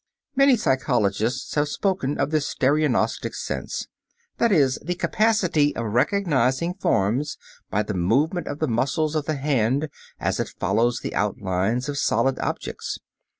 Many psychologists have spoken of the stereognostic sense, that is, the capacity of recognizing forms by the movement of the muscles of the hand as it follows the outlines of solid objects.